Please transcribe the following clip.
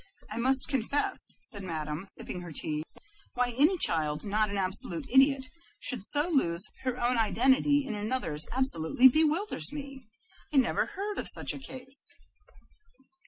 "I must confess," said Madame, sipping her tea, "that I fail to understand it. Why any child not an absolute idiot should so lose her own identity in another's absolutely bewilders me. I never heard of such a case."